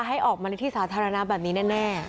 ให้ออกมาในที่สาธารณะแบบนี้แน่